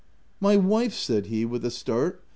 " My wife !" said he, with a start.